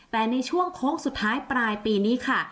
แต่ในช่วงโค้งสุดท้ายปลายปีนี้ค่ะ